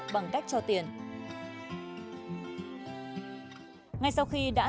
mày đi rửa tiền người ta